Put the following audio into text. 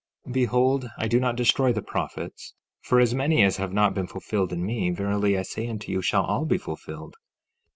15:6 Behold, I do not destroy the prophets, for as many as have not been fulfilled in me, verily I say unto you, shall all be fulfilled.